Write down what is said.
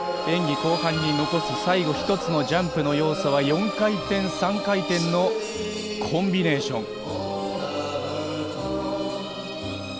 演技後半に残す最後一つのジャンプの要素は４回転、３回転のコンビネーション。